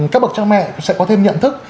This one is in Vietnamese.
các bậc cha mẹ sẽ có thêm nhận thức